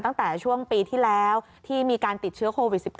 ตั้งแต่ช่วงปีที่แล้วที่มีการติดเชื้อโควิด๑๙